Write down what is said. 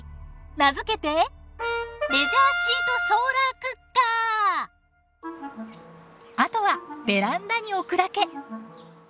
名付けてあとはベランダに置くだけ。